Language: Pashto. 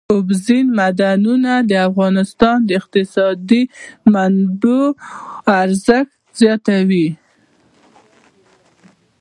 اوبزین معدنونه د افغانستان د اقتصادي منابعو ارزښت زیاتوي.